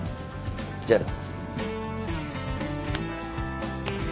じゃあな。